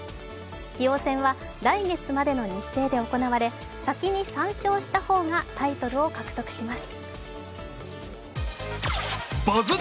棋王戦は来月までの日程で行われ、先に３勝した方がタイトルを獲得します。